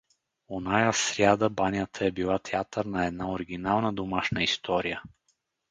— Оная сряда банята е била театър на една оригинална домашна история.